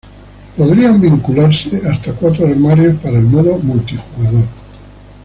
Podrían vincularse hasta cuatro armarios para el modo multijugador.